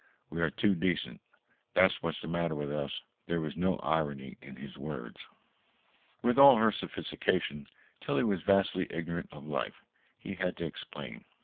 We are too decent; that's what's the matter with us." There was no irony in his words. With all her sophistication, Tillie was vastly ignorant of life. He had to explain.